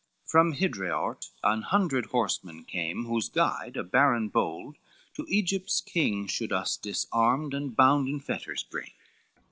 From Hidraort an hundred horsemen came, Whose guide, a baron bold to Egypt's king, Should us disarmed and bound in fetters bring.